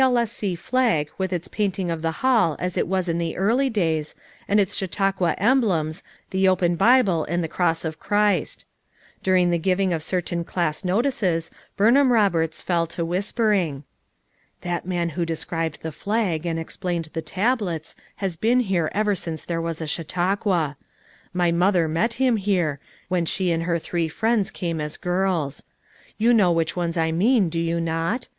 L. S. C. flag with its painting of the Hall as it was in the early days, and its Chautauqua emblems, the open Bible and the cross of Christ. During the giving of certain class notices Burn ham Eoberts fell to whispering. "That man who described the flag and ex plained the tablets has been here ever since there was a Chautauqua. My mother met him here, when she and her three friends came as girls. You know which ones I mean do you not?